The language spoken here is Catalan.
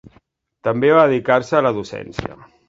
També va dedicar-se a la docència.